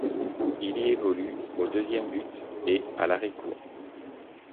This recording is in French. Il y évolue au deuxième but et à l'arrêt-court.